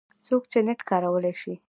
څوک چې نېټ کارولی شي